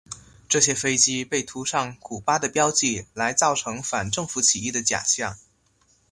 这些飞机被涂上古巴的标记来造成反政府起义的假象。